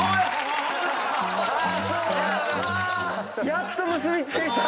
やっと結び付いた。